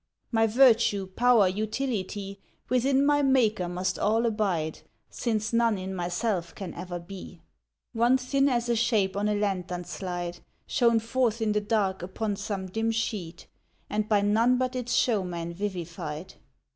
My virtue, power, utility, Within my maker must all abide, Since none in myself can ever be, One thin as a shape on a lantern slide Shown forth in the dark upon some dim sheet, And by none but its showman vivified.